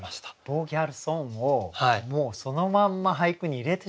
「ボーギャルソン！」をもうそのまんま俳句に入れてしまったと。